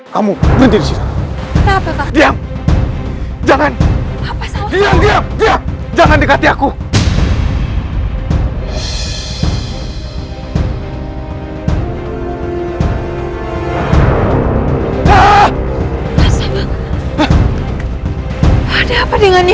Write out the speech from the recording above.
sampai jumpa di video selanjutnya